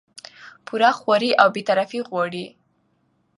پوره خواري او بې طرفي غواړي